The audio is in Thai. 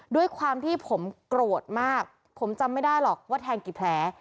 ด้วยความที่ผมโกรธมากผมจำไม่ได้หรอกว่าแทงกี่แผล